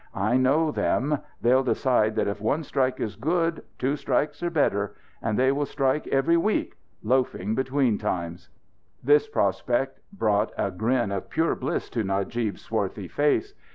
I know them. They'll decide that if one strike is good, two strikes are better. And they will strike every week loafing between times." This prospect brought a grin of pure bliss to Najib's swarthy face.